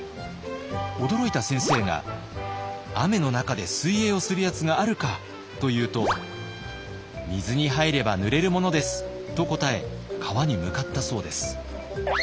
驚いた先生が「雨の中で水泳をするやつがあるか」と言うと「水に入ればぬれるものです」と答え川に向かったそうです。